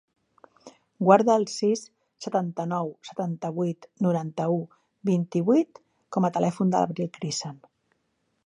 Guarda el sis, setanta-nou, setanta-vuit, noranta-u, vint-i-vuit com a telèfon de l'Avril Crisan.